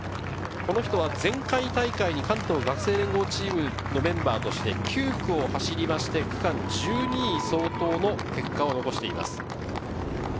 前回大会に関東学生連合チームのメンバーとして９区を走って区間１２位相当の結果を残しています。